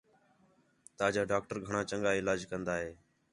تا جا ڈاکٹر گھݨاں چَنڳا علاج کَندا ہے